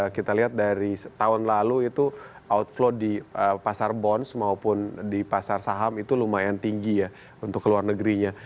kita lihat dari tahun lalu itu outflow di pasar bonds maupun di pasar saham itu lumayan tinggi ya untuk ke luar negerinya